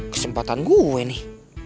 kesempatan gue nih